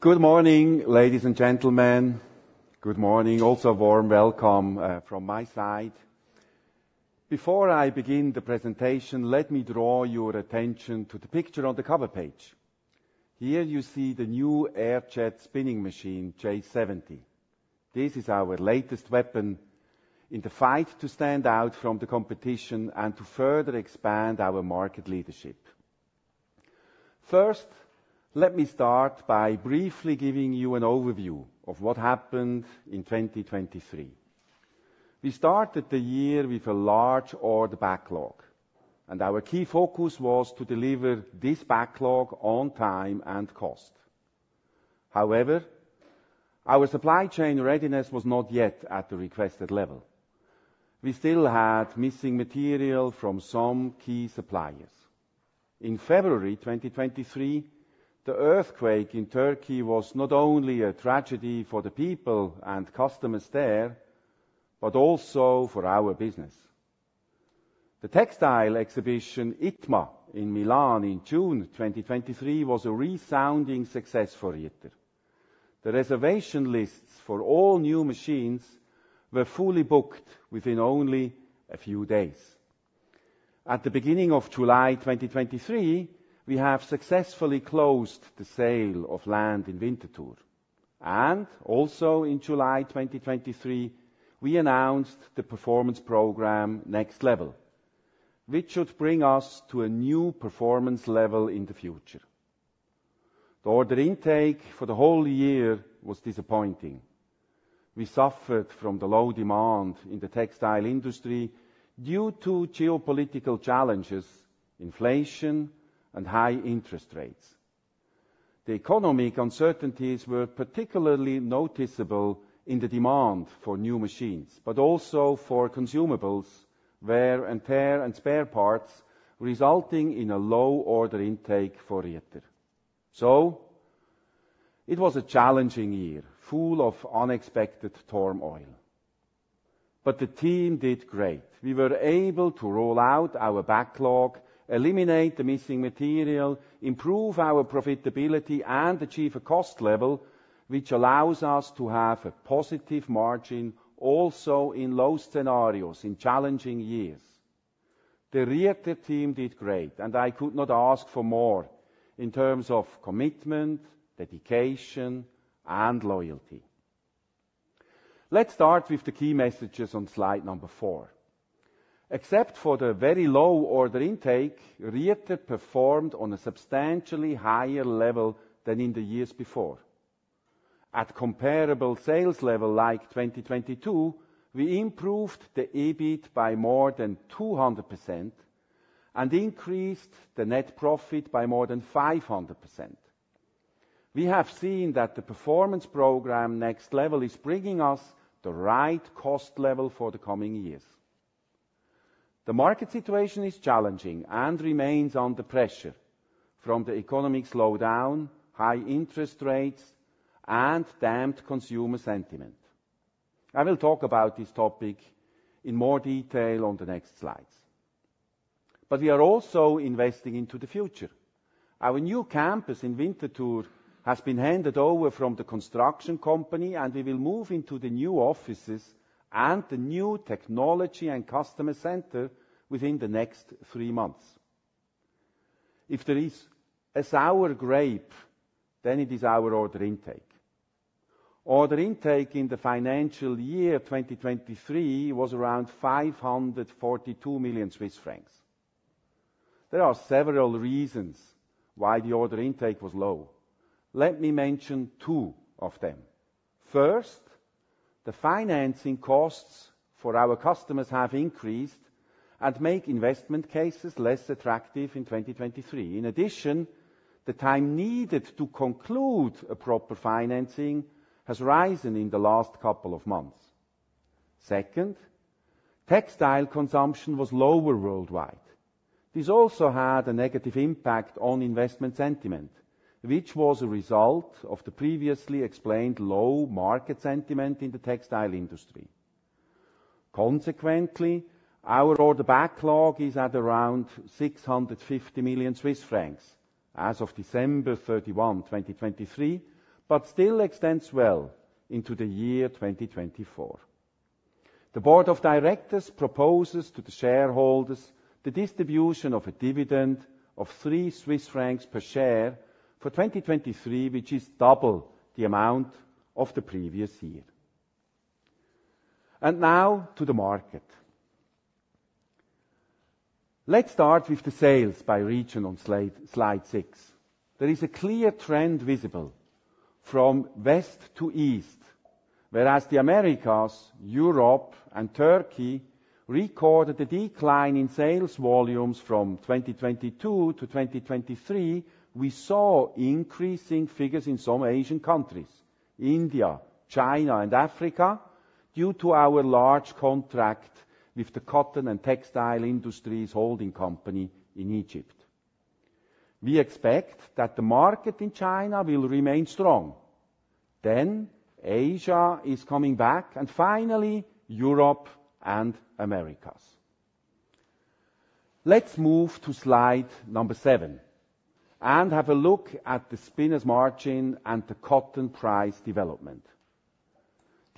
Good morning, ladies and gentlemen. Good morning, also a warm welcome from my side. Before I begin the presentation, let me draw your attention to the picture on the cover page. Here you see the new air-jet spinning machine J 70. This is our latest weapon in the fight to stand out from the competition and to further expand our market leadership. First, let me start by briefly giving you an overview of what happened in 2023. We started the year with a large order backlog, and our key focus was to deliver this backlog on time and cost. However, our supply chain readiness was not yet at the requested level. We still had missing material from some key suppliers. In February 2023, the earthquake in Turkey was not only a tragedy for the people and customers there, but also for our business. The textile exhibition ITMA in Milan in June 2023 was a resounding success for Rieter. The reservation lists for all new machines were fully booked within only a few days. At the beginning of July 2023, we have successfully closed the sale of land in Winterthur, and also in July 2023, we announced the performance program Next Level, which should bring us to a new performance level in the future. The order intake for the whole year was disappointing. We suffered from the low demand in the textile industry due to geopolitical challenges, inflation, and high interest rates. The economic uncertainties were particularly noticeable in the demand for new machines, but also for consumables, wear and tear, and spare parts, resulting in a low order intake for Rieter. So, it was a challenging year, full of unexpected turmoil. But the team did great. We were able to roll out our backlog, eliminate the missing material, improve our profitability, and achieve a cost level which allows us to have a positive margin also in low scenarios, in challenging years. The Rieter team did great, and I could not ask for more in terms of commitment, dedication, and loyalty. Let's start with the key messages on slide number four. Except for the very low order intake, Rieter performed on a substantially higher level than in the years before. At comparable sales level like 2022, we improved the EBIT by more than 200% and increased the net profit by more than 500%. We have seen that the performance program Next Level is bringing us the right cost level for the coming years. The market situation is challenging and remains under pressure from the economic slowdown, high interest rates, and dampened consumer sentiment. I will talk about this topic in more detail on the next slides. But we are also investing into the future. Our new campus in Winterthur has been handed over from the construction company, and we will move into the new offices and the new technology and customer center within the next three months. If there is a sour grape, then it is our order intake. Order intake in the financial year 2023 was around 542 million Swiss francs. There are several reasons why the order intake was low. Let me mention two of them. First, the financing costs for our customers have increased and make investment cases less attractive in 2023. In addition, the time needed to conclude a proper financing has risen in the last couple of months. Second, textile consumption was lower worldwide. This also had a negative impact on investment sentiment, which was a result of the previously explained low market sentiment in the textile industry. Consequently, our order backlog is at around 650 million Swiss francs as of December 31, 2023, but still extends well into the year 2024. The board of directors proposes to the shareholders the distribution of a dividend of 3 Swiss francs per share for 2023, which is double the amount of the previous year. And now to the market. Let's start with the sales by region on slide six. There is a clear trend visible from west to east. Whereas the Americas, Europe, and Turkey recorded a decline in sales volumes from 2022 to 2023, we saw increasing figures in some Asian countries, India, China, and Africa, due to our large contract with the Cotton & Textile Industries Holding Company in Egypt. We expect that the market in China will remain strong. Then Asia is coming back, and finally Europe and Americas. Let's move to slide number seven and have a look at the spinners margin and the cotton price development.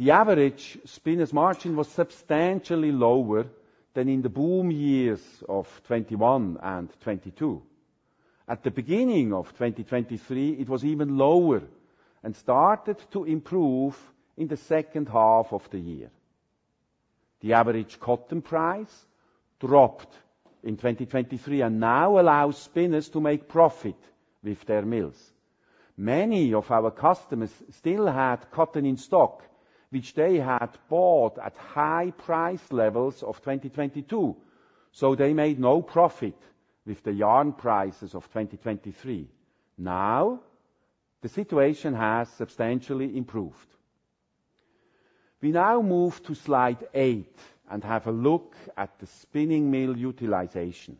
The average spinners margin was substantially lower than in the boom years of 2021 and 2022. At the beginning of 2023, it was even lower and started to improve in the second half of the year. The average cotton price dropped in 2023 and now allows spinners to make profit with their mills. Many of our customers still had cotton in stock, which they had bought at high price levels of 2022, so they made no profit with the yarn prices of 2023. Now, the situation has substantially improved. We now move to slide eight and have a look at the spinning mill utilization.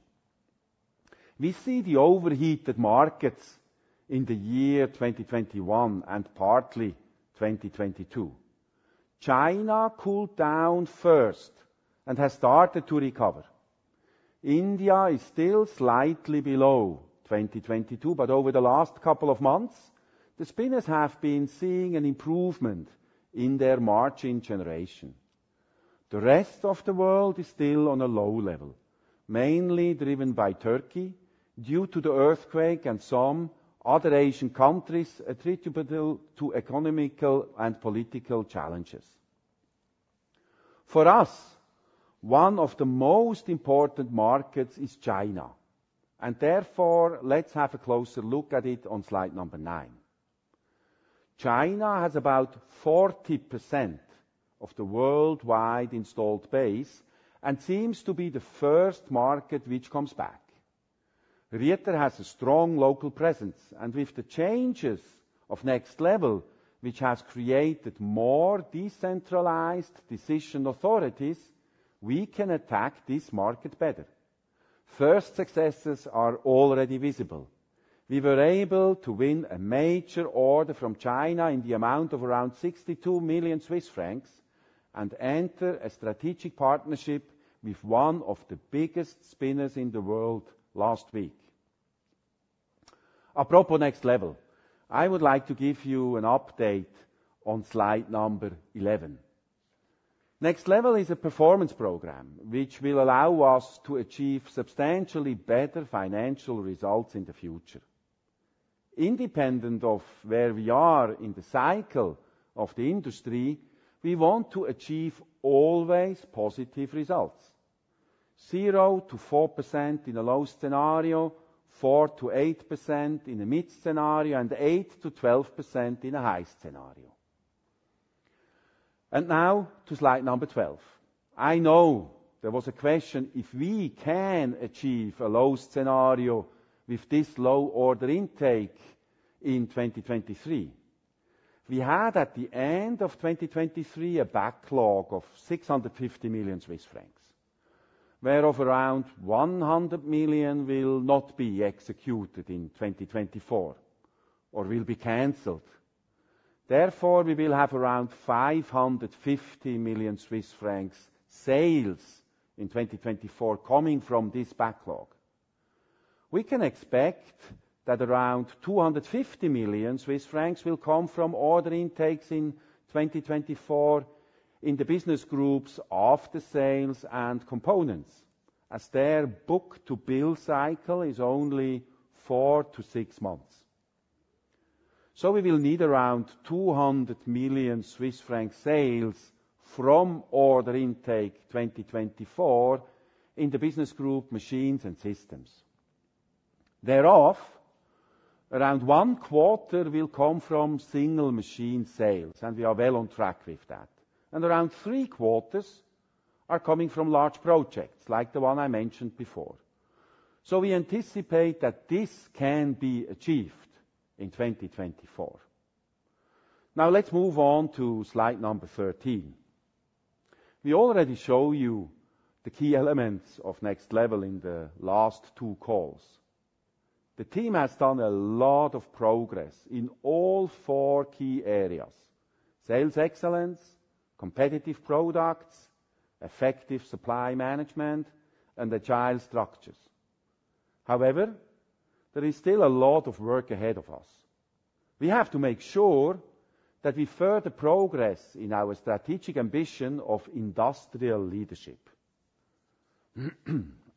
We see the overheated markets in the year 2021 and partly 2022. China cooled down first and has started to recover. India is still slightly below 2022, but over the last couple of months, the spinners have been seeing an improvement in their margin generation. The rest of the world is still on a low level, mainly driven by Turkey due to the earthquake and some other Asian countries attributable to economic and political challenges. For us, one of the most important markets is China, and therefore let's have a closer look at it on slide number nine. China has about 40% of the worldwide installed base and seems to be the first market which comes back. Rieter has a strong local presence, and with the changes of Next Level, which has created more decentralized decision authorities, we can attack this market better. First successes are already visible. We were able to win a major order from China in the amount of around 62 million Swiss francs and enter a strategic partnership with one of the biggest spinners in the world last week. Apropos Next Level, I would like to give you an update on slide 11. Next Level is a performance program which will allow us to achieve substantially better financial results in the future. Independent of where we are in the cycle of the industry, we want to achieve always positive results: 0%-4% in a low scenario, 4%-8% in a mid scenario, and 8%-12% in a high scenario. Now to slide 12. I know there was a question if we can achieve a low scenario with this low order intake in 2023. We had at the end of 2023 a backlog of 650 million Swiss francs, whereof around 100 million will not be executed in 2024 or will be cancelled. Therefore, we will have around 550 million Swiss francs sales in 2024 coming from this backlog. We can expect that around 250 million Swiss francs will come from order intakes in 2024 in the business groups of the sales and components, as their book-to-build cycle is only four to six months. So we will need around 200 million Swiss franc sales from order intake 2024 in the business group machines and systems. Thereof, around one quarter will come from single machine sales, and we are well on track with that. And around three quarters are coming from large projects, like the one I mentioned before. So we anticipate that this can be achieved in 2024. Now let's move on to slide number 13. We already showed you the key elements of Next Level in the last two calls. The team has done a lot of progress in all four key areas: sales excellence, competitive products, effective supply management, and agile structures. However, there is still a lot of work ahead of us. We have to make sure that we further progress in our strategic ambition of industrial leadership.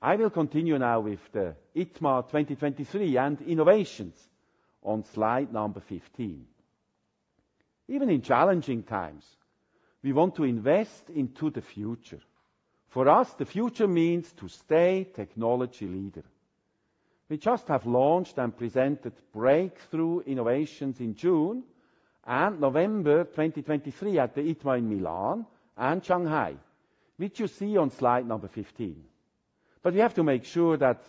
I will continue now with the ITMA 2023 and innovations on slide number 15. Even in challenging times, we want to invest into the future. For us, the future means to stay technology leader. We just have launched and presented breakthrough innovations in June and November 2023 at the ITMA in Milan and Shanghai, which you see on slide number 15. We have to make sure that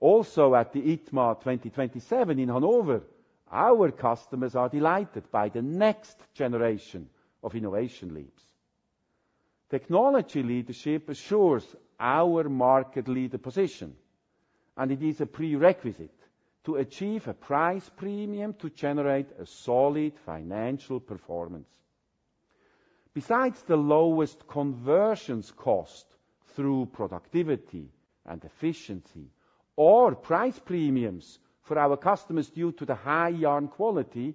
also at the ITMA 2027 in Hannover, our customers are delighted by the next generation of innovation leaps. Technology leadership assures our market leader position, and it is a prerequisite to achieve a price premium to generate a solid financial performance. Besides the lowest conversion costs through productivity and efficiency, or price premiums for our customers due to the high yarn quality,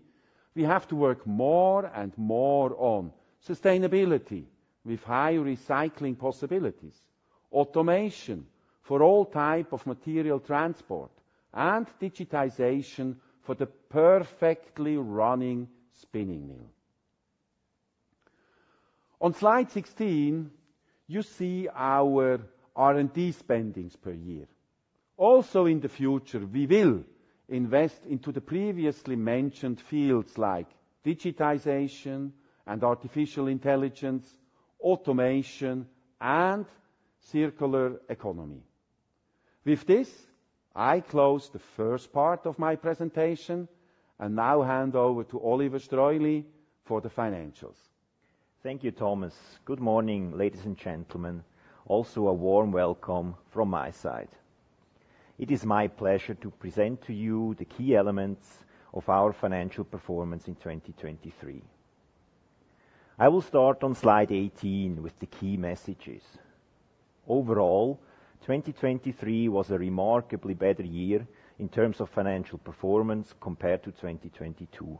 we have to work more and more on sustainability with high recycling possibilities, automation for all types of material transport, and digitization for the perfectly running spinning mill. On slide 16, you see our R&D spending per year. Also in the future, we will invest into the previously mentioned fields like digitization and artificial intelligence, automation, and circular economy. With this, I close the first part of my presentation and now hand over to Oliver Streuli for the financials. Thank you, Thomas. Good morning, ladies and gentlemen. Also, a warm welcome from my side. It is my pleasure to present to you the key elements of our financial performance in 2023. I will start on slide 18 with the key messages. Overall, 2023 was a remarkably better year in terms of financial performance compared to 2022.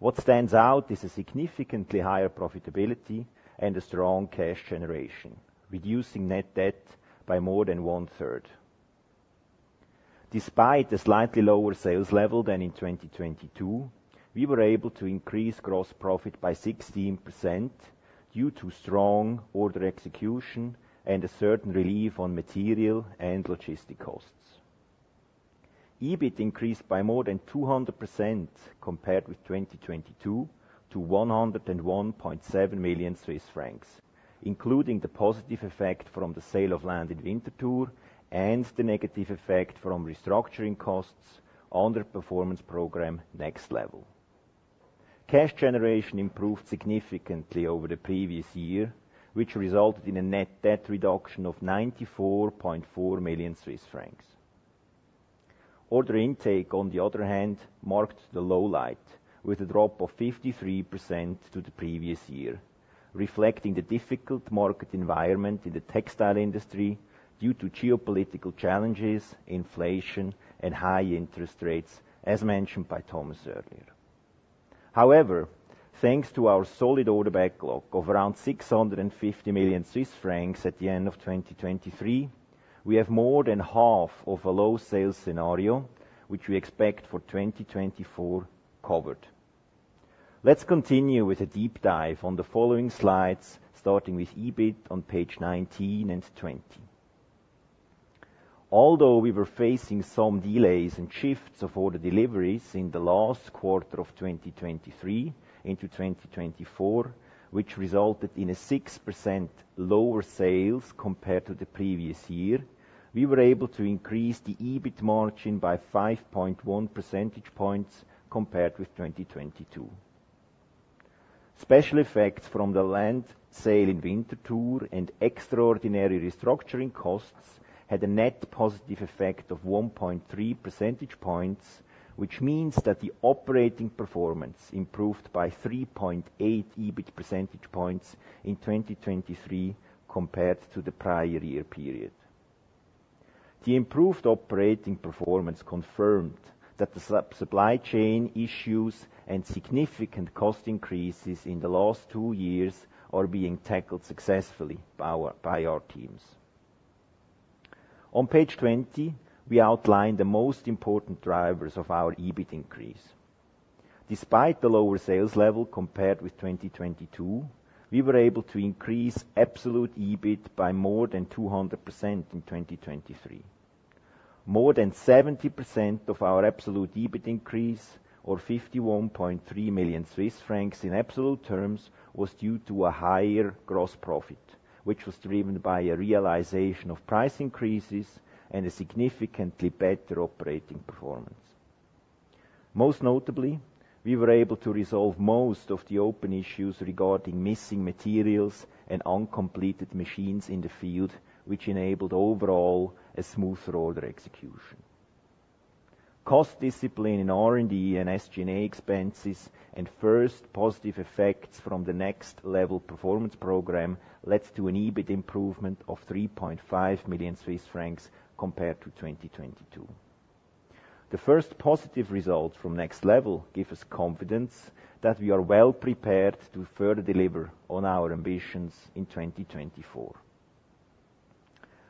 What stands out is a significantly higher profitability and a strong cash generation, reducing net debt by more than one-third. Despite a slightly lower sales level than in 2022, we were able to increase gross profit by 16% due to strong order execution and a certain relief on material and logistic costs. EBIT increased by more than 200% compared with 2022 to 101.7 million Swiss francs, including the positive effect from the sale of land in Winterthur and the negative effect from restructuring costs on the performance program Next Level. Cash generation improved significantly over the previous year, which resulted in a net debt reduction of 94.4 million Swiss francs. Order intake, on the other hand, marked the lowlight with a drop of 53% to the previous year, reflecting the difficult market environment in the textile industry due to geopolitical challenges, inflation, and high interest rates, as mentioned by Thomas earlier. However, thanks to our solid order backlog of around 650 million Swiss francs at the end of 2023, we have more than half of a low sales scenario, which we expect for 2024, covered. Let's continue with a deep dive on the following slides, starting with EBIT on page 19 and 20. Although we were facing some delays and shifts of order deliveries in the last quarter of 2023 into 2024, which resulted in a 6% lower sales compared to the previous year, we were able to increase the EBIT margin by 5.1 percentage points compared with 2022. Special effects from the land sale in Winterthur and extraordinary restructuring costs had a net positive effect of 1.3 percentage points, which means that the operating performance improved by 3.8 EBIT percentage points in 2023 compared to the prior year period. The improved operating performance confirmed that the supply chain issues and significant cost increases in the last two years are being tackled successfully by our teams. On page 20, we outline the most important drivers of our EBIT increase. Despite the lower sales level compared with 2022, we were able to increase absolute EBIT by more than 200% in 2023. More than 70% of our absolute EBIT increase, or 51.3 million Swiss francs in absolute terms, was due to a higher gross profit, which was driven by a realization of price increases and a significantly better operating performance. Most notably, we were able to resolve most of the open issues regarding missing materials and uncompleted machines in the field, which enabled overall a smoother order execution. Cost discipline in R&D and SG&A expenses and first positive effects from the Next Level performance program led to an EBIT improvement of 3.5 million Swiss francs compared to 2022. The first positive results from Next Level give us confidence that we are well prepared to further deliver on our ambitions in 2024.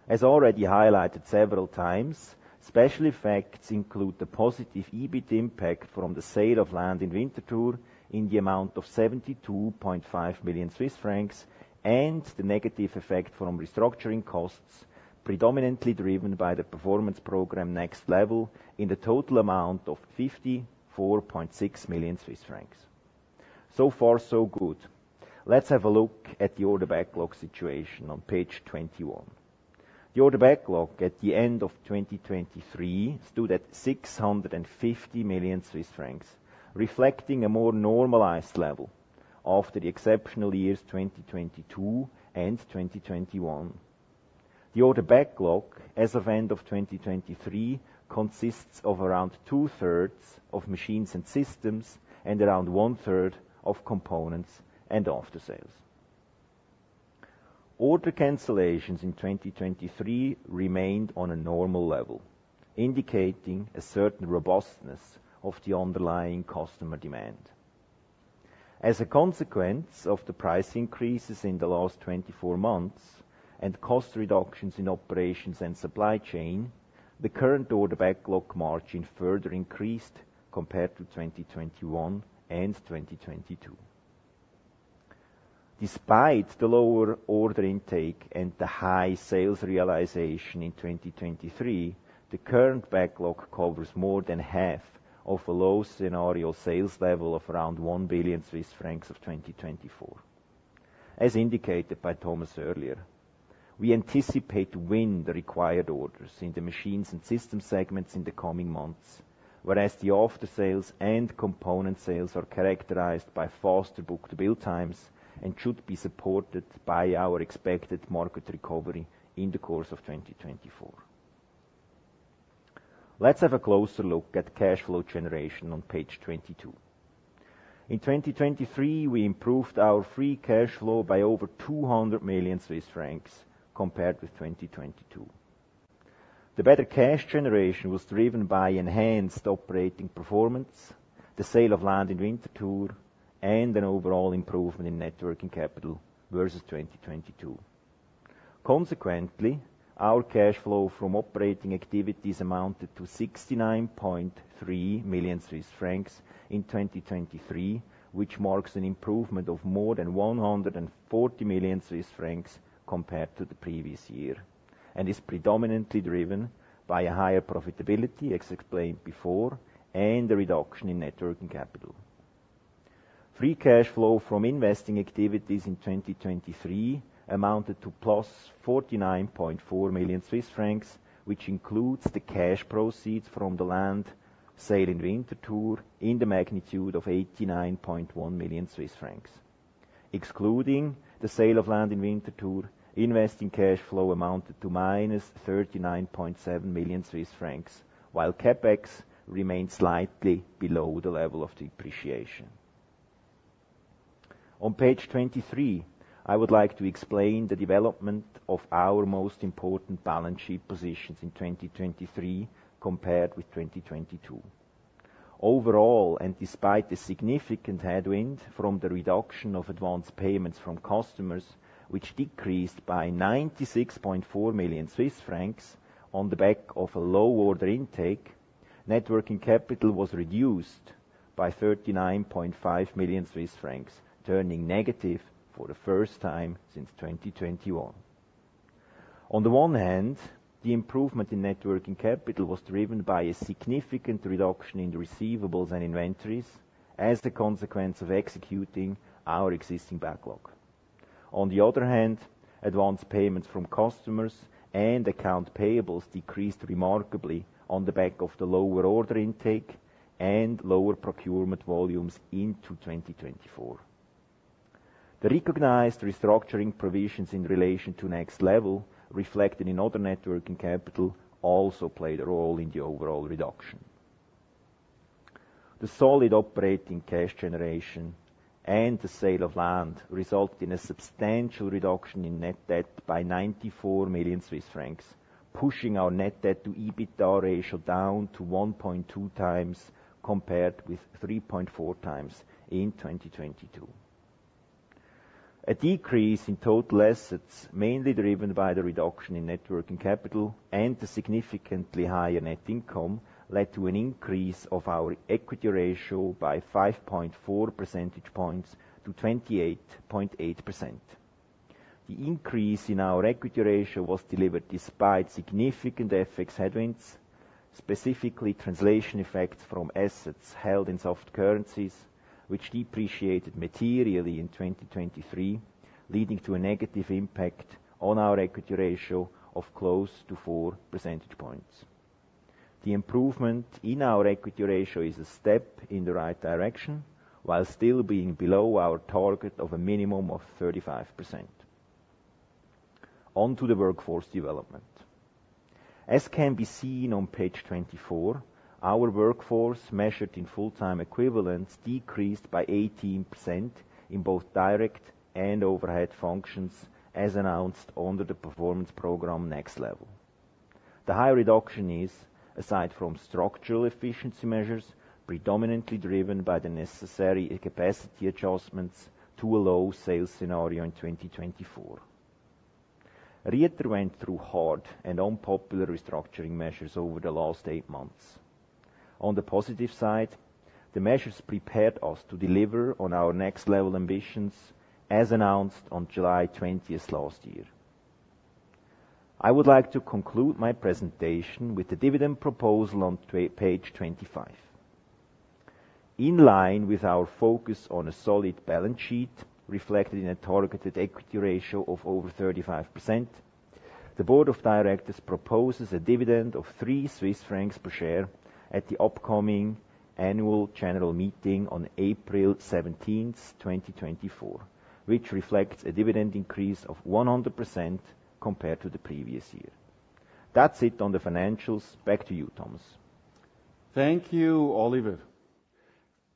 As already highlighted several times, special effects include the positive EBIT impact from the sale of land in Winterthur in the amount of 72.5 million Swiss francs and the negative effect from restructuring costs, predominantly driven by the performance program Next Level, in the total amount of 54.6 million Swiss francs. So far, so good. Let's have a look at the order backlog situation on page 21. The order backlog at the end of 2023 stood at 650 million Swiss francs, reflecting a more normalized level after the exceptional years 2022 and 2021. The order backlog, as of end of 2023, consists of around two-thirds of machines and systems and around one-third of components and after-sales. Order cancellations in 2023 remained on a normal level, indicating a certain robustness of the underlying customer demand. As a consequence of the price increases in the last 24 months and cost reductions in operations and supply chain, the current order backlog margin further increased compared to 2021 and 2022. Despite the lower order intake and the high sales realization in 2023, the current backlog covers more than half of a low scenario sales level of around 1 billion Swiss francs of 2024. As indicated by Thomas earlier, we anticipate to win the required orders in the machines and system segments in the coming months, whereas the after-sales and component sales are characterized by faster book-to-build times and should be supported by our expected market recovery in the course of 2024. Let's have a closer look at cash flow generation on page 22. In 2023, we improved our free cash flow by over 200 million Swiss francs compared with 2022. The better cash generation was driven by enhanced operating performance, the sale of land in Winterthur, and an overall improvement in net working capital versus 2022. Consequently, our cash flow from operating activities amounted to 69.3 million Swiss francs in 2023, which marks an improvement of more than 140 million Swiss francs compared to the previous year and is predominantly driven by a higher profitability, as explained before, and the reduction in net working capital. Free cash flow from investing activities in 2023 amounted to +49.4 million Swiss francs, which includes the cash proceeds from the land sale in Winterthur in the magnitude of 89.1 million Swiss francs. Excluding the sale of land in Winterthur, investing cash flow amounted to -39.7 million Swiss francs, while CapEx remained slightly below the level of depreciation. On page 23, I would like to explain the development of our most important balance sheet positions in 2023 compared with 2022. Overall, and despite the significant headwind from the reduction of advance payments from customers, which decreased by 96.4 million Swiss francs on the back of a low order intake, net working capital was reduced by 39.5 million Swiss francs, turning negative for the first time since 2021. On the one hand, the improvement in net working capital was driven by a significant reduction in receivables and inventories as a consequence of executing our existing backlog. On the other hand, advance payments from customers and accounts payable decreased remarkably on the back of the lower order intake and lower procurement volumes into 2024. The recognized restructuring provisions in relation to Next Level, reflected in other net working capital, also played a role in the overall reduction. The solid operating cash generation and the sale of land resulted in a substantial reduction in net debt by 94 million Swiss francs, pushing our net debt to EBITDA ratio down to 1.2 times compared with 3.4 times in 2022. A decrease in total assets, mainly driven by the reduction in net working capital and the significantly higher net income, led to an increase of our equity ratio by 5.4 percentage points to 28.8%. The increase in our equity ratio was delivered despite significant FX headwinds, specifically translation effects from assets held in soft currencies, which depreciated materially in 2023, leading to a negative impact on our equity ratio of close to four percentage points. The improvement in our equity ratio is a step in the right direction while still being below our target of a minimum of 35%. Onto the workforce development. As can be seen on page 24, our workforce measured in full-time equivalents decreased by 18% in both direct and overhead functions, as announced under the performance program Next Level. The high reduction is, aside from structural efficiency measures, predominantly driven by the necessary capacity adjustments to a low sales scenario in 2024. Rieter went through hard and unpopular restructuring measures over the last eight months. On the positive side, the measures prepared us to deliver on our Next Level ambitions, as announced on July 20th last year. I would like to conclude my presentation with the dividend proposal on page 25. In line with our focus on a solid balance sheet reflected in a targeted equity ratio of over 35%, the board of directors proposes a dividend of 3 Swiss francs per share at the upcoming annual general meeting on April 17th, 2024, which reflects a dividend increase of 100% compared to the previous year. That's it on the financials. Back to you, Thomas. Thank you, Oliver.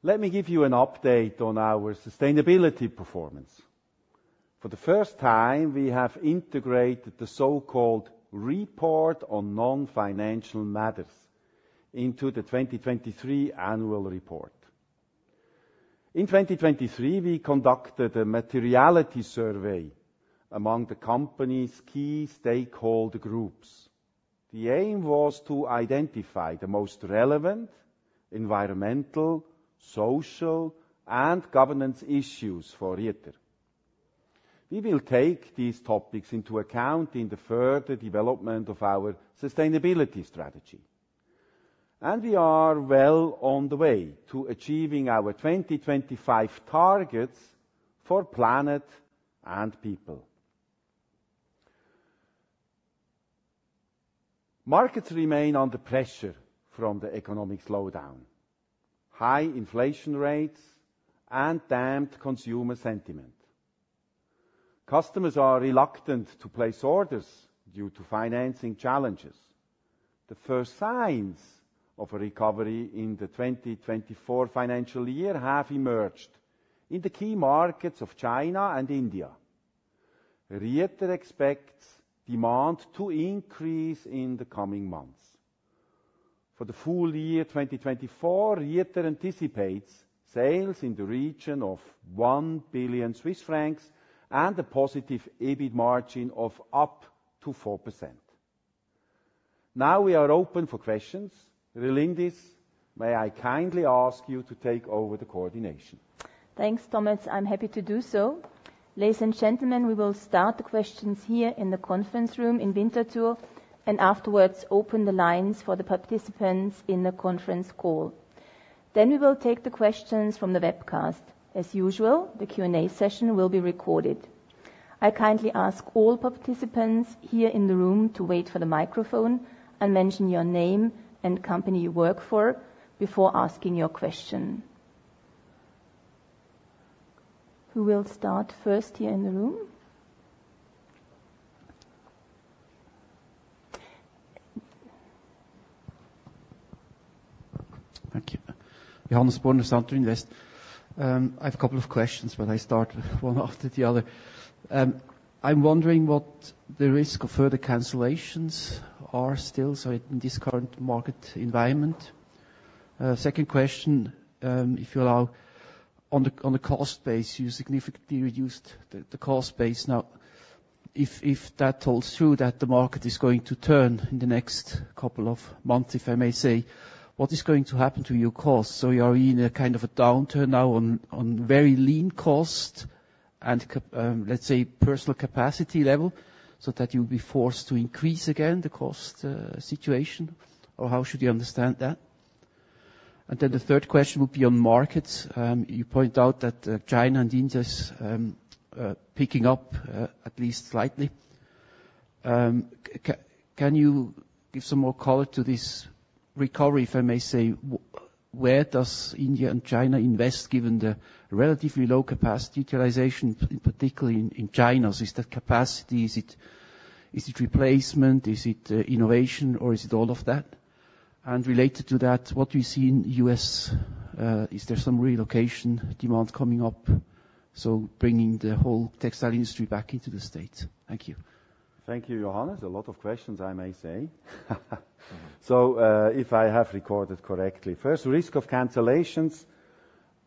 Let me give you an update on our sustainability performance. For the first time, we have integrated the so-called report on non-financial matters into the 2023 annual report. In 2023, we conducted a materiality survey among the company's key stakeholder groups. The aim was to identify the most relevant environmental, social, and governance issues for Rieter. We will take these topics into account in the further development of our sustainability strategy. We are well on the way to achieving our 2025 targets for planet and people. Markets remain under pressure from the economic slowdown, high inflation rates, and dampened consumer sentiment. Customers are reluctant to place orders due to financing challenges. The first signs of a recovery in the 2024 financial year have emerged in the key markets of China and India. Rieter expects demand to increase in the coming months. For the full year 2024, Rieter anticipates sales in the region of 1 billion Swiss francs and a positive EBIT margin of up to 4%. Now we are open for questions. Relindis, may I kindly ask you to take over the coordination? Thanks, Thomas. I'm happy to do so. Ladies and gentlemen, we will start the questions here in the conference room in Winterthur and afterwards open the lines for the participants in the conference call. Then we will take the questions from the webcast. As usual, the Q&A session will be recorded. I kindly ask all participants here in the room to wait for the microphone and mention your name and company you work for before asking your question. Who will start first here in the room? Thank you. Johannes Born of Centre Invest. I have a couple of questions, but I start one after the other. I'm wondering what the risk of further cancellations are still in this current market environment. Second question, if you allow, on the cost base, you significantly reduced the cost base. Now, if that holds true, that the market is going to turn in the next couple of months, if I may say, what is going to happen to your costs? So you are in a kind of a downturn now on very lean cost and, let's say, personal capacity level, so that you'll be forced to increase again the cost situation, or how should you understand that? And then the third question would be on markets. You point out that China and India are picking up, at least slightly. Can you give some more color to this recovery, if I may say? Where does India and China invest given the relatively low capacity utilization, particularly in China? Is that capacity? Is it replacement? Is it innovation, or is it all of that? And related to that, what do we see in the U.S.? Is there some relocation demand coming up, so bringing the whole textile industry back into the States? Thank you. Thank you, Johannes. A lot of questions, I may say. So if I have recorded correctly, first, risk of cancellations.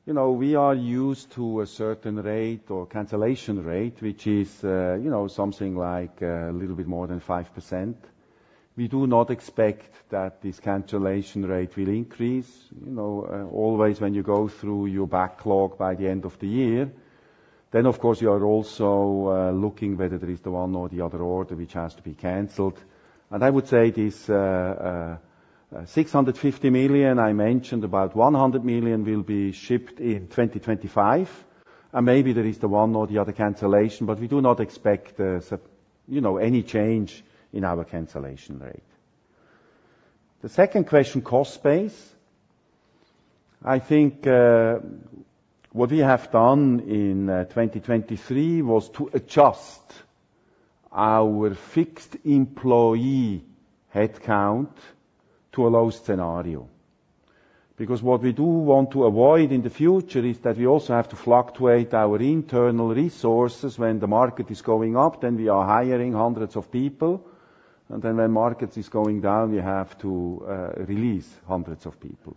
We are used to a certain rate or cancellation rate, which is something like a little bit more than 5%. We do not expect that this cancellation rate will increase. Always, when you go through your backlog by the end of the year, then, of course, you are also looking whether there is the one or the other order which has to be cancelled. I would say this 650 million I mentioned, about 100 million will be shipped in 2025. And maybe there is the one or the other cancellation, but we do not expect any change in our cancellation rate. The second question, cost base. I think what we have done in 2023 was to adjust our fixed employee headcount to a low scenario. Because what we do want to avoid in the future is that we also have to fluctuate our internal resources. When the market is going up, then we are hiring hundreds of people. And then when markets are going down, we have to release hundreds of people.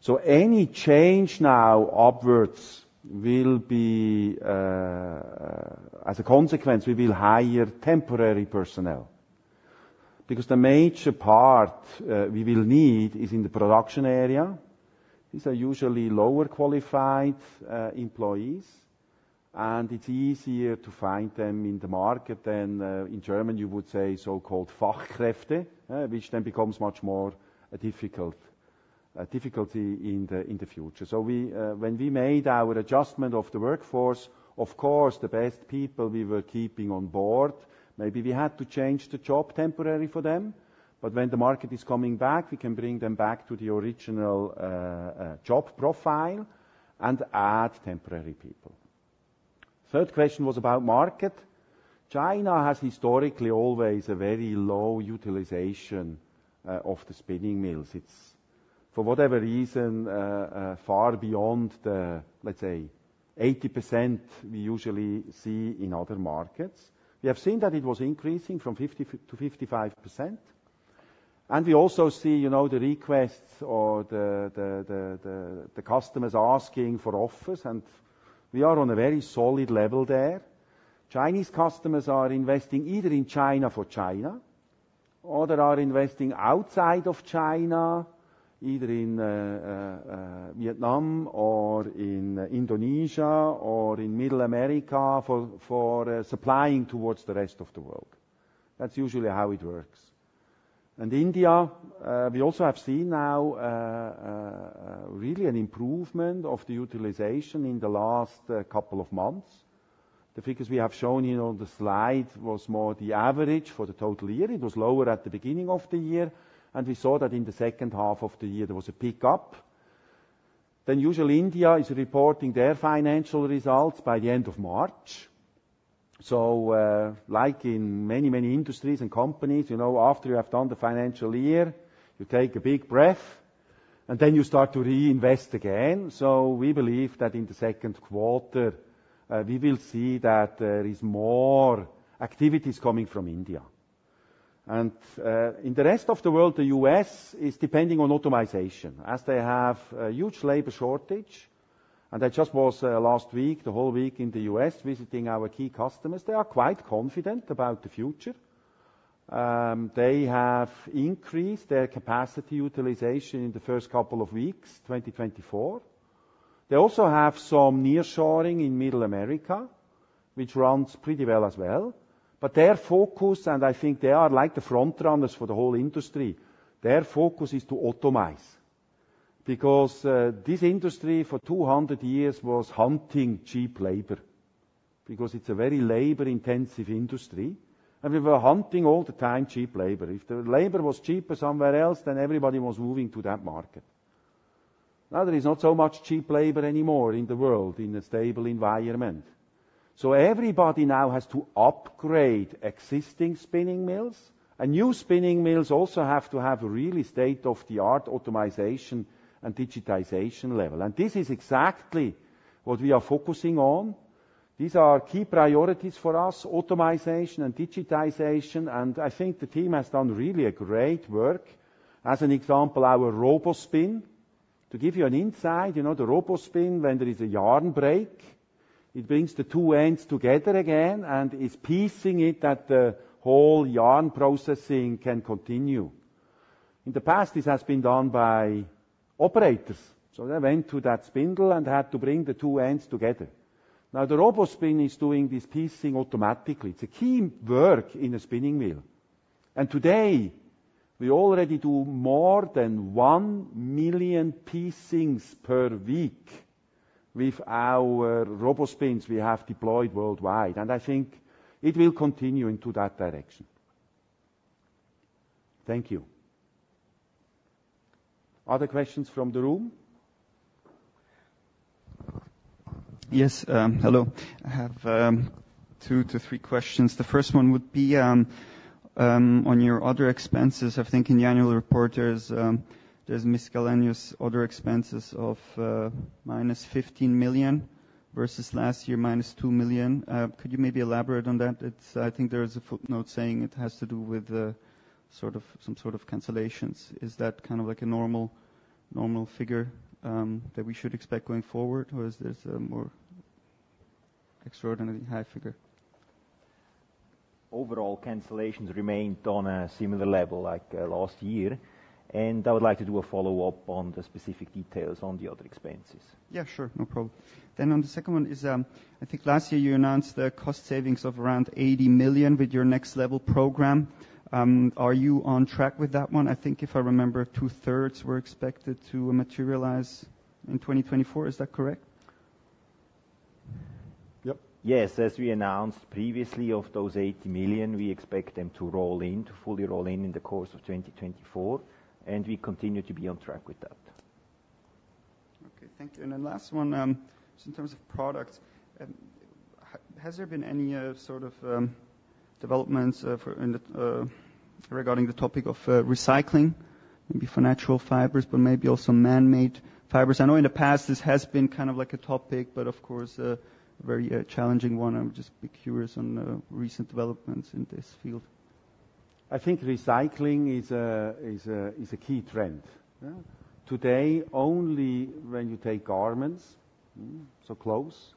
So any change now upwards will be as a consequence, we will hire temporary personnel. Because the major part we will need is in the production area. These are usually lower qualified employees. And it's easier to find them in the market than in Germany, you would say, so-called Fachkräfte, which then becomes much more a difficulty in the future. So when we made our adjustment of the workforce, of course, the best people we were keeping on board, maybe we had to change the job temporarily for them. But when the market is coming back, we can bring them back to the original job profile and add temporary people. Third question was about market. China has historically always a very low utilization of the spinning mills. It's, for whatever reason, far beyond the, let's say, 80% we usually see in other markets. We have seen that it was increasing from 50%-55%. And we also see the requests or the customers asking for offers. And we are on a very solid level there. Chinese customers are investing either in China for China or they are investing outside of China, either in Vietnam or in Indonesia or in Middle America for supplying towards the rest of the world. That's usually how it works. And India, we also have seen now really an improvement of the utilization in the last couple of months. The figures we have shown here on the slide were more the average for the total year. It was lower at the beginning of the year. We saw that in the second half of the year, there was a pickup. Usually India is reporting their financial results by the end of March. Like in many, many industries and companies, after you have done the financial year, you take a big breath and then you start to reinvest again. We believe that in the second quarter, we will see that there are more activities coming from India. In the rest of the world, the U.S. is depending on automation. As they have a huge labor shortage, and I just was last week, the whole week in the U.S. visiting our key customers, they are quite confident about the future. They have increased their capacity utilization in the first couple of weeks, 2024. They also have some nearshoring in Middle America, which runs pretty well as well. But their focus, and I think they are like the front runners for the whole industry, their focus is to automate. Because this industry, for 200 years, was hunting cheap labor. Because it's a very labor-intensive industry. And we were hunting all the time cheap labor. If the labor was cheaper somewhere else, then everybody was moving to that market. Now there is not so much cheap labor anymore in the world in a stable environment. So everybody now has to upgrade existing spinning mills. And new spinning mills also have to have a really state-of-the-art automation and digitization level. And this is exactly what we are focusing on. These are key priorities for us, automation and digitization. I think the team has done really great work. As an example, our ROBOspin. To give you an insight, the ROBOspin, when there is a yarn break, it brings the two ends together again and is piecing it that the whole yarn processing can continue. In the past, this has been done by operators. So they went to that spindle and had to bring the two ends together. Now the ROBOspin is doing this piecing automatically. It's a key work in a spinning mill. Today, we already do more than 1 million piecings per week with our ROBOspins we have deployed worldwide. I think it will continue into that direction. Thank you. Other questions from the room? Yes. Hello. I have 2-3 questions. The first one would be on your other expenses. I think in the annual report, there's miscellaneous other expenses of -15 million versus last year -2 million. Could you maybe elaborate on that? I think there is a footnote saying it has to do with some sort of cancellations. Is that kind of like a normal figure that we should expect going forward, or is this a more extraordinarily high figure? Overall, cancellations remained on a similar level like last year. I would like to do a follow-up on the specific details on the other expenses. Yeah, sure. No problem. Then on the second one is, I think last year you announced the cost savings of around 80 million with your Next Level program. Are you on track with that one? I think, if I remember, two-thirds were expected to materialize in 2024. Is that correct? Yes. As we announced previously, of those 80 million, we expect them to roll in, to fully roll in, in the course of 2024. We continue to be on track with that. Okay. Thank you. And then last one, just in terms of products, has there been any sort of developments regarding the topic of recycling, maybe for natural fibers, but maybe also man-made fibers? I know in the past this has been kind of like a topic, but of course, a very challenging one. I'm just curious on recent developments in this field. I think recycling is a key trend. Today, only when you take garments, so clothes,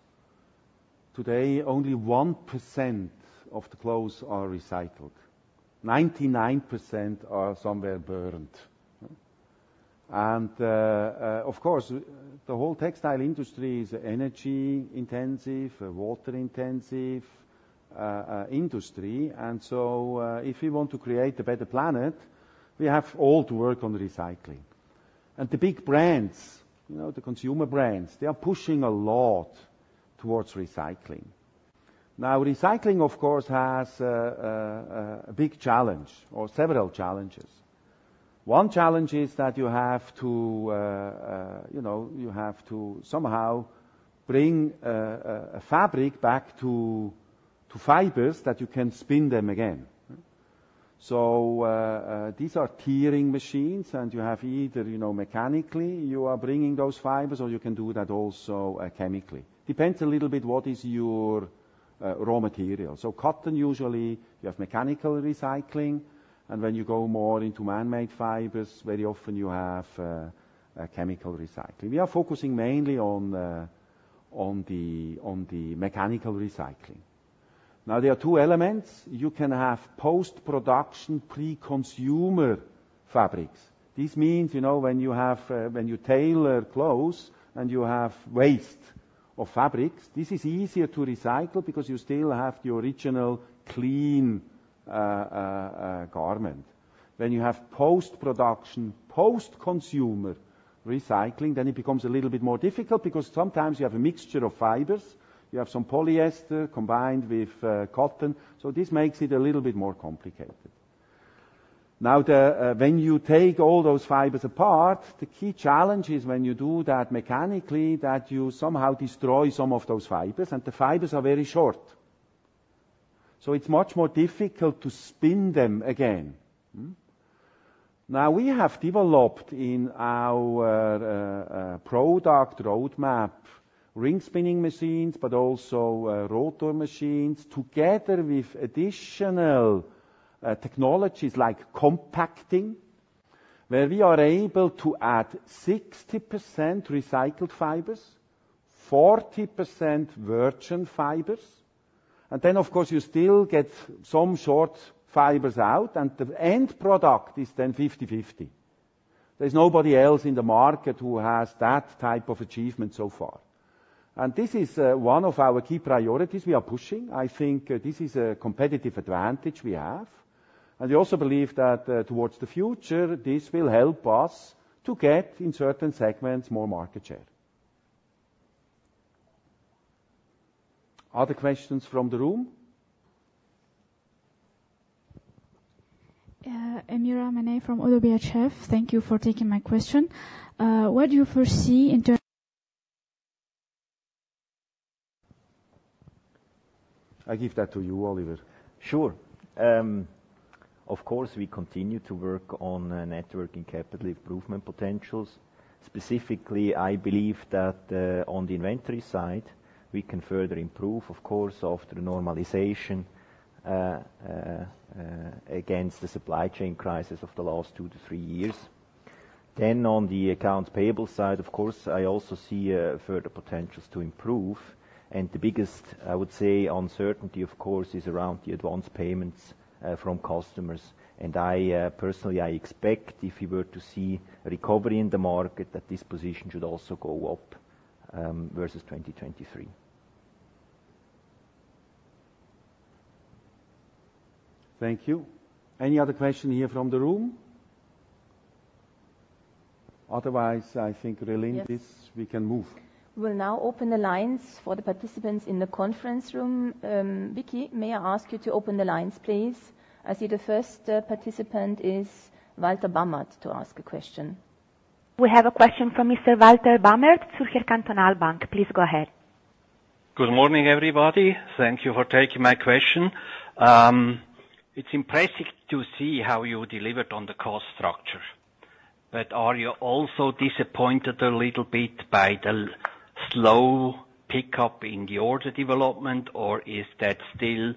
today, only 1% of the clothes are recycled. 99% are somewhere burned. Of course, the whole textile industry is an energy-intensive, water-intensive industry. So if we want to create a better planet, we have all to work on recycling. The big brands, the consumer brands, they are pushing a lot towards recycling. Now, recycling, of course, has a big challenge or several challenges. One challenge is that you have to somehow bring a fabric back to fibers that you can spin them again. These are tearing machines. You have either mechanically, you are bringing those fibers, or you can do that also chemically. Depends a little bit what is your raw material. Cotton, usually, you have mechanical recycling. And when you go more into man-made fibers, very often you have chemical recycling. We are focusing mainly on the mechanical recycling. Now, there are two elements. You can have post-production, pre-consumer fabrics. This means when you tailor clothes and you have waste of fabrics, this is easier to recycle because you still have the original clean garment. When you have post-production, post-consumer recycling, then it becomes a little bit more difficult because sometimes you have a mixture of fibers. You have some polyester combined with cotton. So this makes it a little bit more complicated. Now, when you take all those fibers apart, the key challenge is when you do that mechanically that you somehow destroy some of those fibers. And the fibers are very short. So it's much more difficult to spin them again. Now, we have developed in our product roadmap ring spinning machines, but also rotor machines, together with additional technologies like compacting, where we are able to add 60% recycled fibers, 40% virgin fibers. And then, of course, you still get some short fibers out. And the end product is then 50/50. There is nobody else in the market who has that type of achievement so far. And this is one of our key priorities we are pushing. I think this is a competitive advantage we have. And we also believe that towards the future, this will help us to get in certain segments more market share. Other questions from the room? Emir Amaneh from ODDO BHF. Thank you for taking my question. What do you foresee in terms of? I give that to you, Oliver. Sure. Of course, we continue to work on net working capital improvement potentials. Specifically, I believe that on the inventory side, we can further improve, of course, after normalization against the supply chain crisis of the last 2-3 years. On the accounts payable side, of course, I also see further potentials to improve. The biggest, I would say, uncertainty, of course, is around the advance payments from customers. Personally, I expect if we were to see recovery in the market, that this position should also go up versus 2023. Thank you. Any other question here from the room? Otherwise, I think Relindis, we can move. We will now open the lines for the participants in the conference room. Vicky, may I ask you to open the lines, please? I see the first participant is Walter Bamert to ask a question. We have a question from Mr. Walter Bamert of Zürcher Kantonalbank. Please go ahead. Good morning, everybody. Thank you for taking my question. It's impressive to see how you delivered on the cost structure. But are you also disappointed a little bit by the slow pickup in the order development, or is that still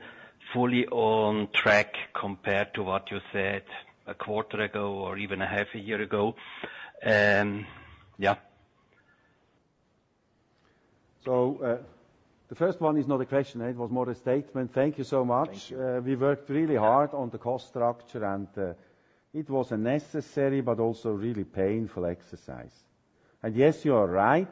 fully on track compared to what you said a quarter ago or even a half a year ago? Yeah. So the first one is not a question. It was more a statement. Thank you so much. We worked really hard on the cost structure. And it was a necessary but also really painful exercise. And yes, you are right.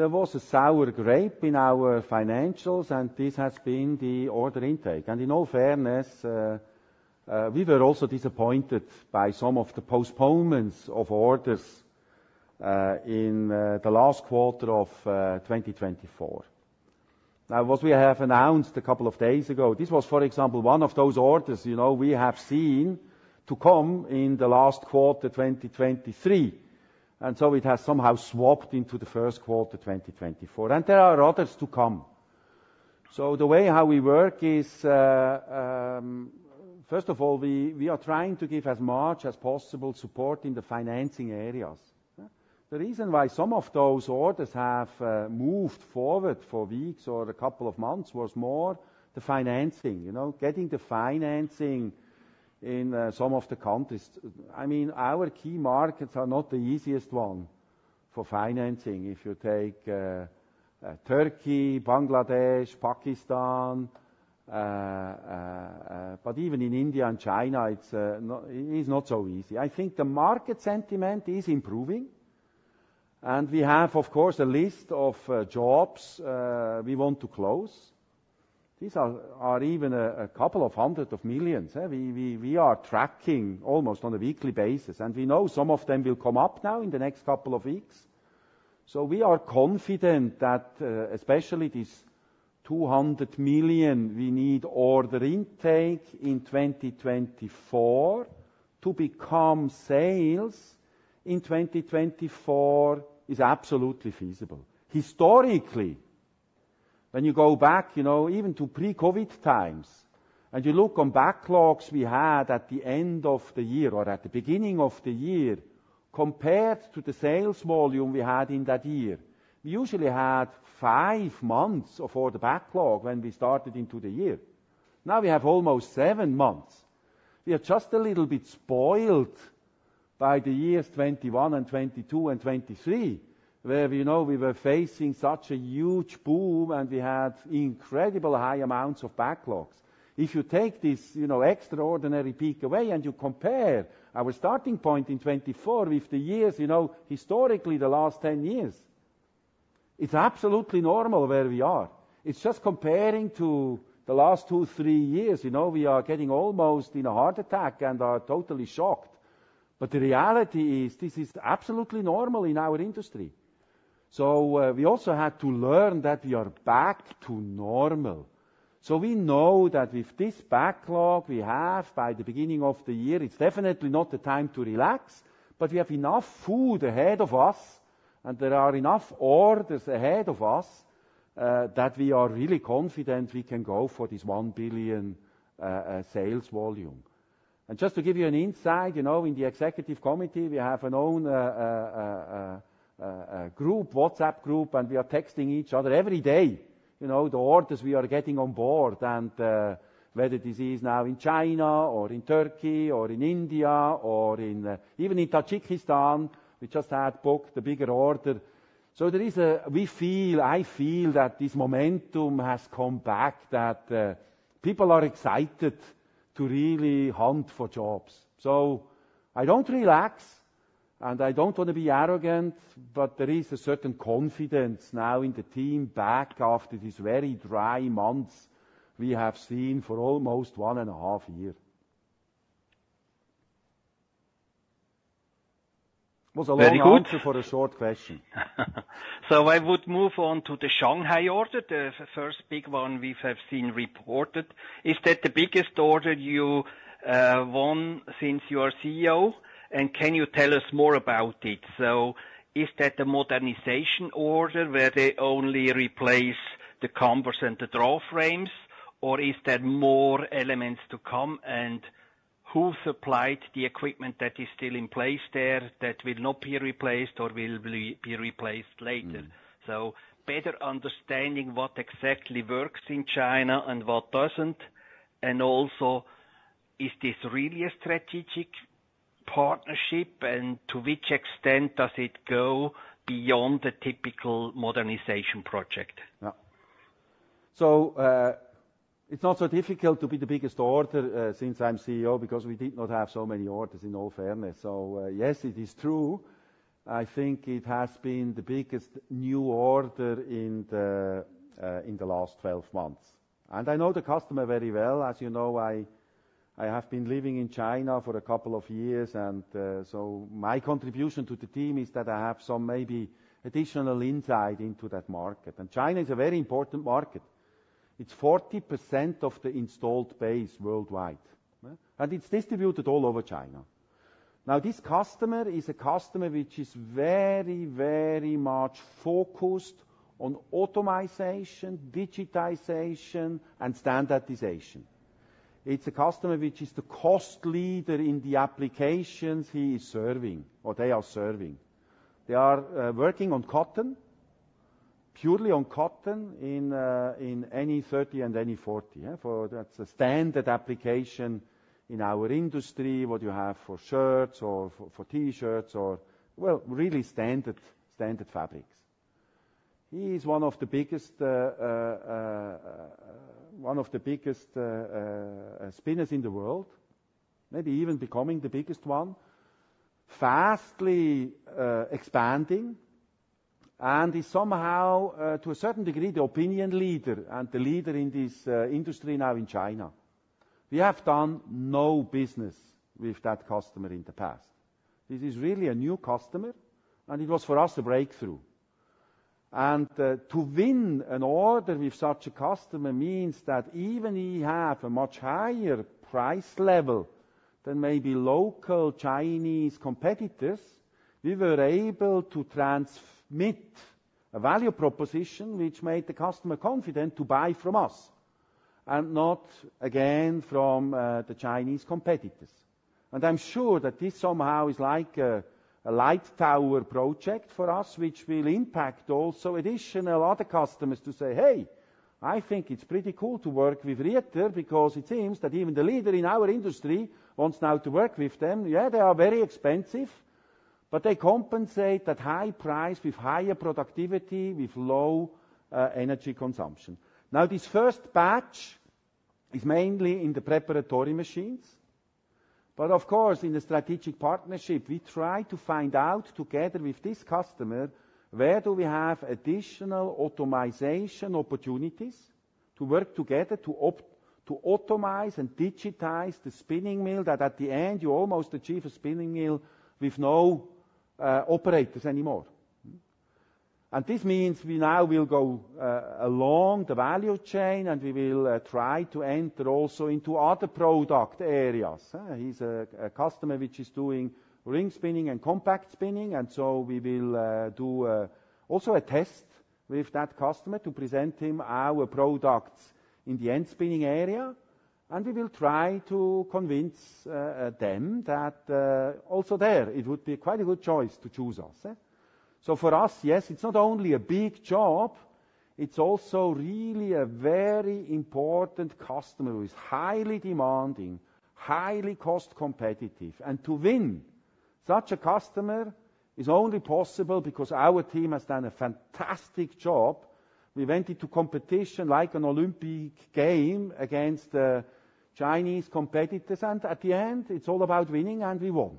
There was a sour note in our financials, and this has been the order intake. And in all fairness, we were also disappointed by some of the postponements of orders in the last quarter of 2024. Now, what we have announced a couple of days ago, this was, for example, one of those orders we have seen to come in the last quarter 2023. And so it has somehow swapped into the first quarter 2024. And there are others to come. So the way how we work is, first of all, we are trying to give as much as possible support in the financing areas. The reason why some of those orders have moved forward for weeks or a couple of months was more the financing, getting the financing in some of the countries. I mean, our key markets are not the easiest one for financing. If you take Turkey, Bangladesh, Pakistan, but even in India and China, it is not so easy. I think the market sentiment is improving. We have, of course, a list of jobs we want to close. These are even CHF a couple of hundreds of millions. We are tracking almost on a weekly basis. We know some of them will come up now in the next couple of weeks. We are confident that especially these 200 million we need order intake in 2024 to become sales in 2024 is absolutely feasible. Historically, when you go back even to pre-COVID times and you look on backlogs we had at the end of the year or at the beginning of the year compared to the sales volume we had in that year, we usually had five months of order backlog when we started into the year. Now we have almost seven months. We are just a little bit spoiled by the years 2021 and 2022 and 2023, where we were facing such a huge boom and we had incredible high amounts of backlogs. If you take this extraordinary peak away and you compare our starting point in 2024 with the years, historically, the last 10 years, it's absolutely normal where we are. It's just comparing to the last two, three years. We are getting almost in a heart attack and are totally shocked. But the reality is this is absolutely normal in our industry. So we also had to learn that we are back to normal. So we know that with this backlog we have by the beginning of the year, it's definitely not the time to relax. But we have enough food ahead of us, and there are enough orders ahead of us that we are really confident we can go for this 1 billion sales volume. And just to give you an insight, in the executive committee, we have an own group, WhatsApp group, and we are texting each other every day the orders we are getting on board. And whether this is now in China or in Turkey or in India or even in Tajikistan, we just had booked a bigger order. So we feel, I feel that this momentum has come back, that people are excited to really hunt for jobs. So I don't relax, and I don't want to be arrogant, but there is a certain confidence now in the team back after these very dry months we have seen for almost one and a half years. It was a long answer for a short question. Very good. So I would move on to the Shanghai order, the first big one we have seen reported. Is that the biggest order you won since you are CEO? And can you tell us more about it? So is that a modernization order where they only replace the combers and the draw frames, or is there more elements to come? And who supplied the equipment that is still in place there that will not be replaced or will be replaced later? So better understanding what exactly works in China and what doesn't. And also, is this really a strategic partnership, and to which extent does it go beyond the typical modernization project? Yeah. So it's not so difficult to be the biggest order since I'm CEO because we did not have so many orders, in all fairness. So yes, it is true. I think it has been the biggest new order in the last 12 months. And I know the customer very well. As you know, I have been living in China for a couple of years. And so my contribution to the team is that I have some maybe additional insight into that market. And China is a very important market. It's 40% of the installed base worldwide. And it's distributed all over China. Now, this customer is a customer which is very, very much focused on automation, digitization, and standardization. It's a customer which is the cost leader in the applications he is serving or they are serving. They are working on cotton, purely on cotton, in Ne 30 and Ne 40. That's a standard application in our industry, what you have for shirts or for T-shirts or, well, really standard fabrics. He is one of the biggest spinners in the world, maybe even becoming the biggest one, fast expanding. He's somehow, to a certain degree, the opinion leader and the leader in this industry now in China. We have done no business with that customer in the past. This is really a new customer. It was for us a breakthrough. To win an order with such a customer means that even if we have a much higher price level than maybe local Chinese competitors, we were able to transmit a value proposition which made the customer confident to buy from us and not, again, from the Chinese competitors. I'm sure that this somehow is like a light tower project for us which will impact also additional other customers to say, "Hey, I think it's pretty cool to work with Rieter because it seems that even the leader in our industry wants now to work with them. Yeah, they are very expensive, but they compensate that high price with higher productivity, with low energy consumption." Now, this first batch is mainly in the preparatory machines. But of course, in the strategic partnership, we try to find out together with this customer where do we have additional automation opportunities to work together to automate and digitize the spinning mill that at the end you almost achieve a spinning mill with no operators anymore. And this means we now will go along the value chain, and we will try to enter also into other product areas. He's a customer which is doing ring spinning and compact spinning. So we will do also a test with that customer to present him our products in the end-spinning area. We will try to convince them that also there, it would be quite a good choice to choose us. So for us, yes, it's not only a big job. It's also really a very important customer who is highly demanding, highly cost-competitive. To win such a customer is only possible because our team has done a fantastic job. We went into competition like an Olympic game against the Chinese competitors. At the end, it's all about winning, and we won.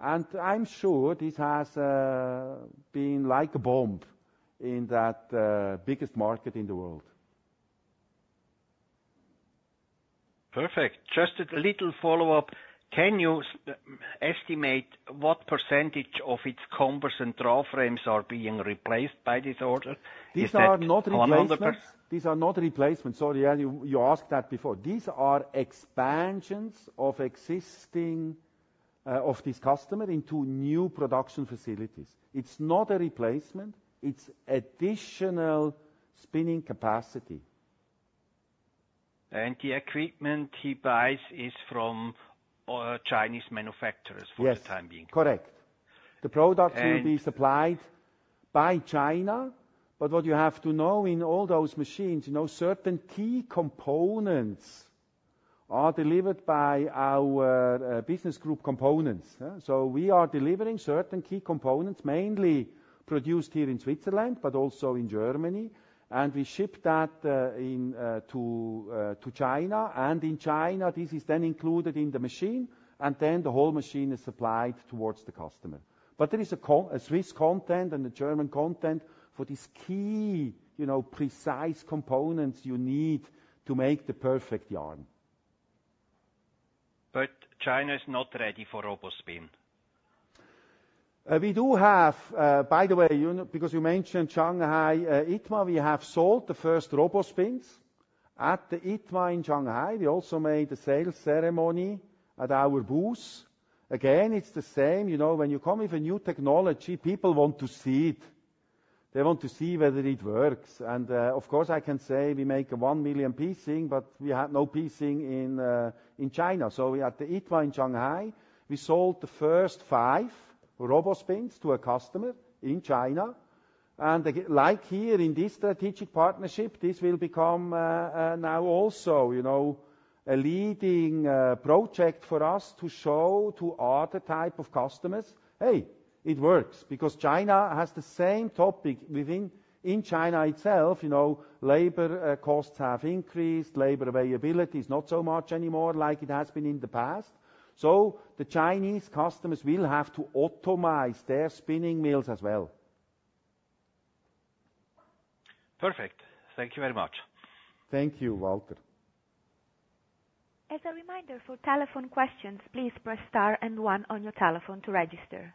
I'm sure this has been like a bomb in that biggest market in the world. Perfect. Just a little follow-up. Can you estimate what percentage of its combers and draw frames are being replaced by this order? These are not replacements. These are not replacements. Sorry, you asked that before. These are expansions of this customer into new production facilities. It's not a replacement. It's additional spinning capacity. The equipment he buys is from Chinese manufacturers for the time being? Yes, correct. The products will be supplied by China. But what you have to know in all those machines, certain key components are delivered by our business group components. So we are delivering certain key components, mainly produced here in Switzerland but also in Germany. And we ship that to China. And in China, this is then included in the machine. And then the whole machine is supplied towards the customer. But there is a Swiss content and a German content for these key, precise components you need to make the perfect yarn. But China is not ready for ROBOspin? We do have, by the way, because you mentioned Shanghai ITMA, we have sold the first ROBOspins. At the ITMA in Shanghai, we also made a sales ceremony at our booth. Again, it's the same. When you come with a new technology, people want to see it. They want to see whether it works. And of course, I can say we make 1 million piecing, but we have no piecing in China. So at the ITMA in Shanghai, we sold the first five ROBOspins to a customer in China. And like here in this strategic partnership, this will become now also a leading project for us to show to other type of customers, "Hey, it works." Because China has the same topic within China itself. Labor costs have increased. Labor availability is not so much anymore like it has been in the past. The Chinese customers will have to automate their spinning mills as well. Perfect. Thank you very much. Thank you, Walter. As a reminder for telephone questions, please press star and one on your telephone to register.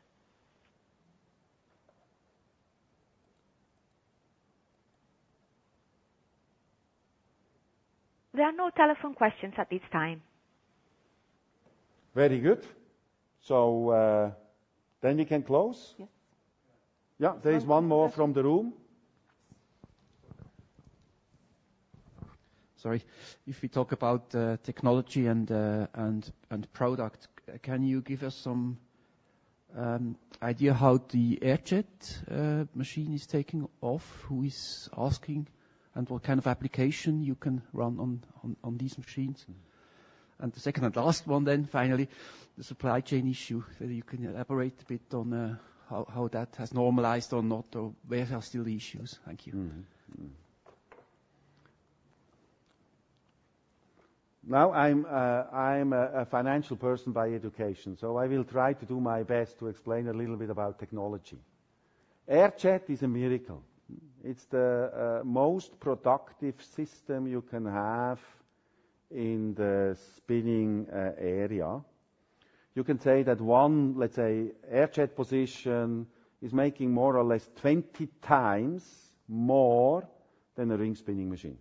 There are no telephone questions at this time. Very good. So then we can close? Yes. Yeah, there is one more from the room. Sorry. If we talk about technology and product, can you give us some idea how the air-jet machine is taking off? Who is asking and what kind of application you can run on these machines? And the second and last one then, finally, the supply chain issue. Whether you can elaborate a bit on how that has normalized or not or where are still the issues. Thank you. Now, I'm a financial person by education. So I will try to do my best to explain a little bit about technology. Air-jet is a miracle. It's the most productive system you can have in the spinning area. You can say that one, let's say, air-jet position is making more or less 20 times more than a ring-spinning machine.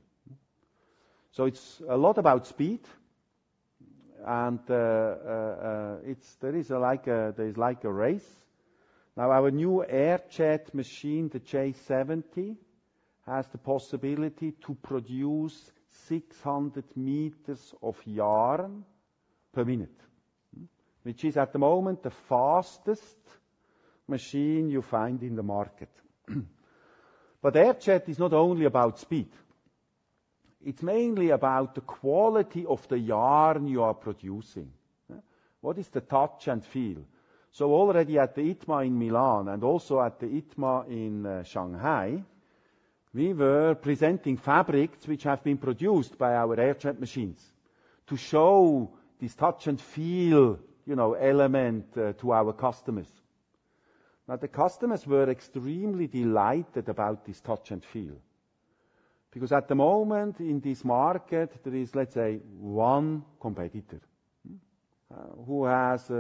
So it's a lot about speed. And there is like a race. Now, our new air-jet machine, the J 70, has the possibility to produce 600 meters of yarn per minute, which is at the moment the fastest machine you find in the market. But air-jet is not only about speed. It's mainly about the quality of the yarn you are producing. What is the touch and feel? So already at the ITMA in Milan and also at the ITMA in Shanghai, we were presenting fabrics which have been produced by our air-jet machines to show this touch and feel element to our customers. Now, the customers were extremely delighted about this touch and feel. Because at the moment, in this market, there is, let's say, one competitor who has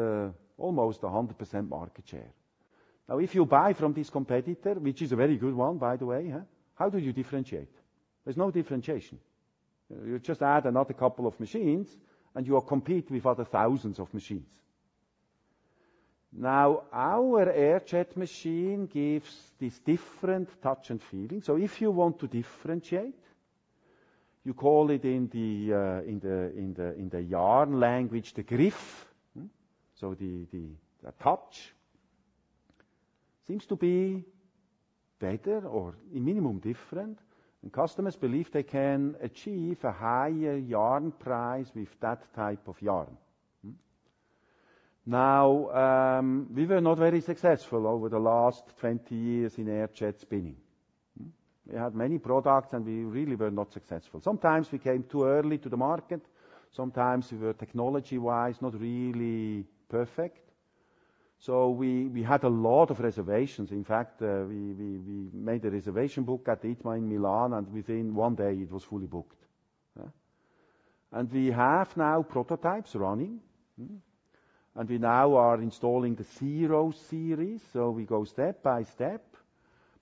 almost 100% market share. Now, if you buy from this competitor, which is a very good one, by the way, how do you differentiate? There's no differentiation. You just add another couple of machines, and you compete with other thousands of machines. Now, our air-jet machine gives this different touch and feeling. So if you want to differentiate, you call it in the yarn language the Griff, so the touch, seems to be better or a minimum different. Customers believe they can achieve a higher yarn price with that type of yarn. Now, we were not very successful over the last 20 years in air-jet spinning. We had many products, and we really were not successful. Sometimes we came too early to the market. Sometimes we were, technology-wise, not really perfect. So we had a lot of reservations. In fact, we made a reservation book at the ITMA in Milan, and within one day, it was fully booked. And we have now prototypes running. And we now are installing the zero series. So we go step by step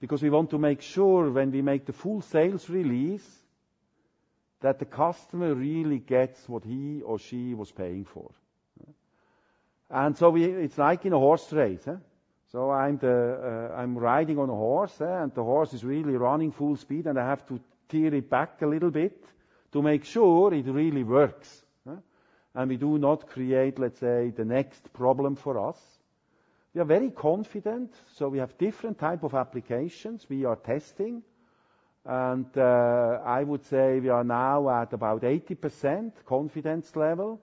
because we want to make sure when we make the full sales release that the customer really gets what he or she was paying for. And so it's like in a horse race. So I'm riding on a horse, and the horse is really running full speed. I have to tear it back a little bit to make sure it really works. We do not create, let's say, the next problem for us. We are very confident. We have different type of applications we are testing. I would say we are now at about 80% confidence level.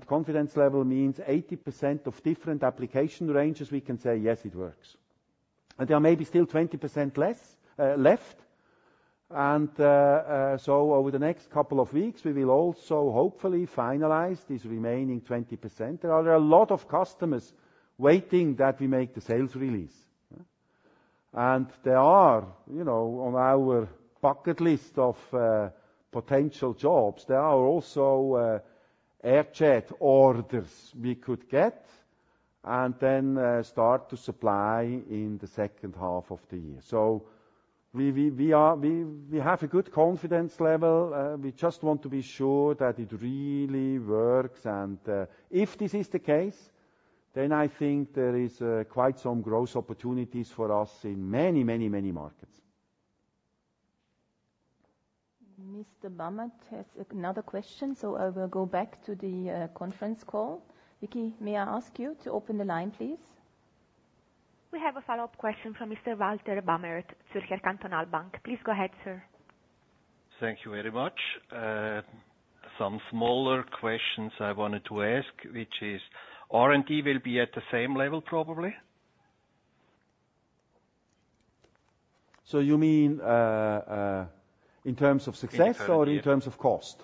Confidence level means 80% of different application ranges, we can say, yes, it works. There are maybe still 20% left. Over the next couple of weeks, we will also hopefully finalize this remaining 20%. There are a lot of customers waiting that we make the sales release. There are, on our bucket list of potential jobs, also air-jet orders we could get and then start to supply in the second half of the year. We have a good confidence level. We just want to be sure that it really works. If this is the case, then I think there is quite some growth opportunities for us in many, many, many markets. Mr. Bamert has another question. I will go back to the conference call. Vicky, may I ask you to open the line, please? We have a follow-up question from Mr. Walter Bamert, Zürcher Kantonalbank. Please go ahead, sir. Thank you very much. Some smaller questions I wanted to ask, which is, R&D will be at the same level, probably? You mean in terms of success or in terms of cost?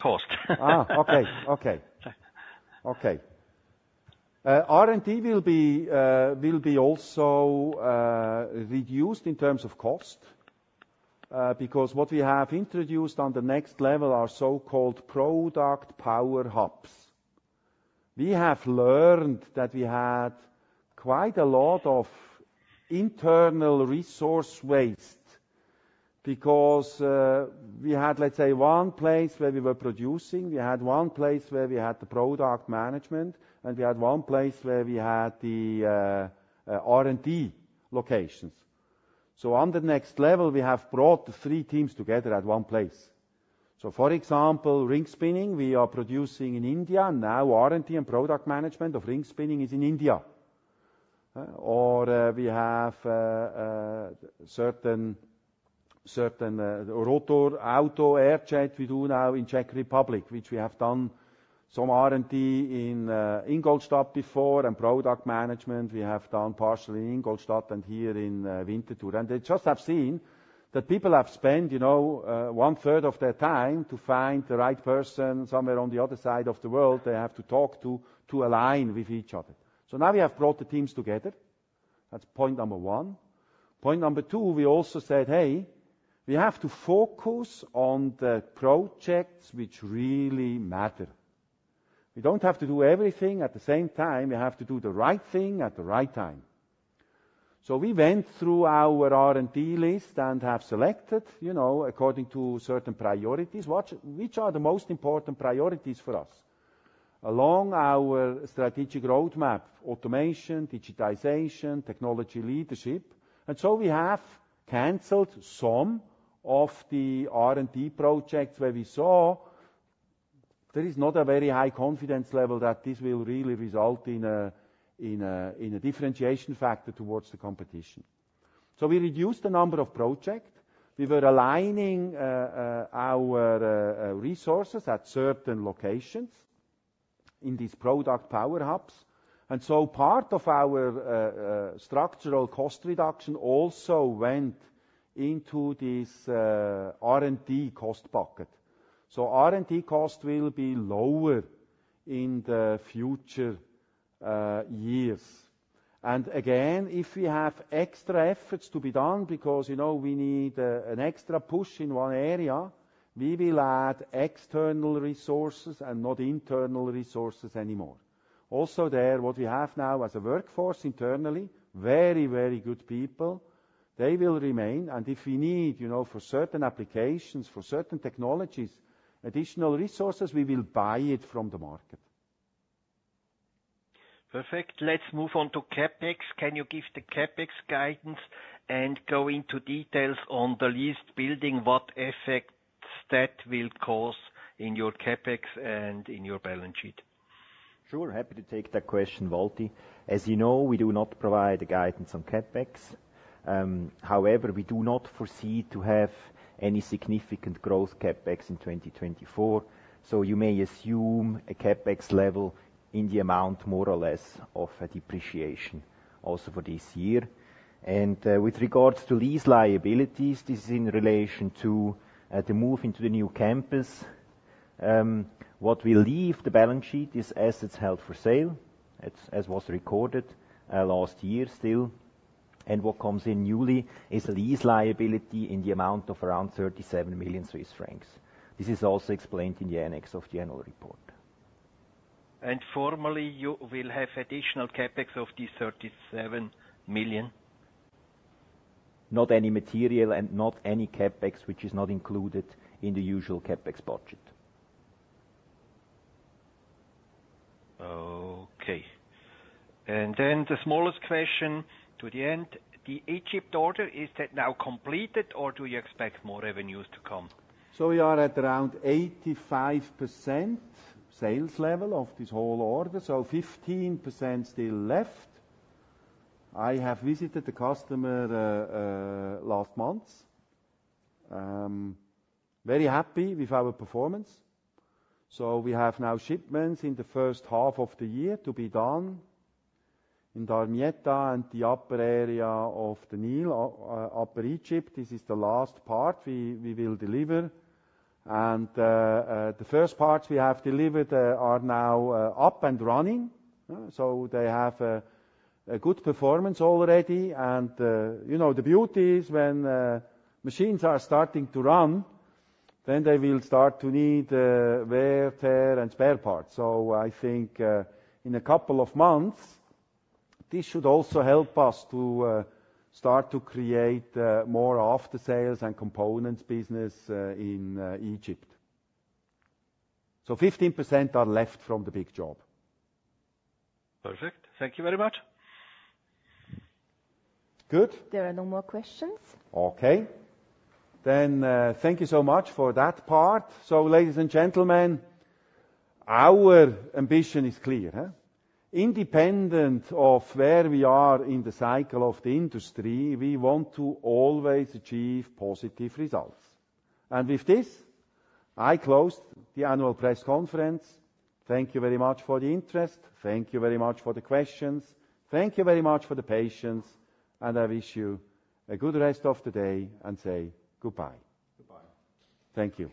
Cost. R&D will be also reduced in terms of cost because what we have introduced on the Next Level are so-called Product Power Hubs. We have learned that we had quite a lot of internal resource waste because we had, let's say, one place where we were producing. We had one place where we had the product management. And we had one place where we had the R&D locations. So on the Next Level, we have brought the three teams together at one place. So for example, ring spinning, we are producing in India. Now, R&D and product management of ring spinning is in India. Or we have certain rotor auto air-jet we do now in Czech Republic, which we have done some R&D in Ingolstadt before and product management we have done partially in Ingolstadt and here in Winterthur. They just have seen that people have spent one-third of their time to find the right person somewhere on the other side of the world they have to talk to to align with each other. Now we have brought the teams together. That's point number one. Point number two, we also said, "Hey, we have to focus on the projects which really matter." We don't have to do everything at the same time. We have to do the right thing at the right time. We went through our R&D list and have selected according to certain priorities, which are the most important priorities for us along our strategic roadmap, automation, digitization, technology leadership. We have canceled some of the R&D projects where we saw there is not a very high confidence level that this will really result in a differentiation factor towards the competition. We reduced the number of projects. We were aligning our resources at certain locations in these Product Power Hubs. Part of our structural cost reduction also went into this R&D cost bucket. R&D cost will be lower in the future years. Again, if we have extra efforts to be done because we need an extra push in one area, we will add external resources and not internal resources anymore. Also there, what we have now as a workforce internally, very, very good people, they will remain. If we need for certain applications, for certain technologies, additional resources, we will buy it from the market. Perfect. Let's move on to CapEx. Can you give the CapEx guidance and go into details on the lease building, what effects that will cause in your CapEx and in your balance sheet? Sure. Happy to take that question, Walter. As you know, we do not provide guidance on CapEx. However, we do not foresee to have any significant growth CapEx in 2024. So you may assume a CapEx level in the amount, more or less, of a depreciation also for this year. And with regards to lease liabilities, this is in relation to the move into the new campus. What will leave the balance sheet is assets held for sale, as was recorded last year still. And what comes in newly is a lease liability in the amount of around 37 million Swiss francs. This is also explained in the annex of the annual report. Formally, you will have additional CapEx of these 37 million? Not any material and not any CapEx, which is not included in the usual CapEx budget. Okay. Then the smallest question to the end. The Egypt order, is that now completed, or do you expect more revenues to come? So we are at around 85% sales level of this whole order. So 15% still left. I have visited the customer last month. Very happy with our performance. So we have now shipments in the first half of the year to be done in Damietta and the upper area of the Nile, Upper Egypt. This is the last part we will deliver. And the first parts we have delivered are now up and running. So they have a good performance already. And the beauty is when machines are starting to run, then they will start to need wear, tear, and spare parts. So I think in a couple of months, this should also help us to start to create more after-sales and components business in Egypt. So 15% are left from the big job. Perfect. Thank you very much. Good. There are no more questions. Okay. Then thank you so much for that part. So, ladies and gentlemen, our ambition is clear. Independent of where we are in the cycle of the industry, we want to always achieve positive results. And with this, I close the annual press conference. Thank you very much for the interest. Thank you very much for the questions. Thank you very much for the patience. And I wish you a good rest of the day and say goodbye. Goodbye. Thank you.